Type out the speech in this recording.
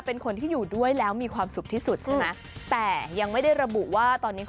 เป็นคนที่อยู่ด้วยมีความสุขเขาเพิ่งเปิดตัวเนี่ย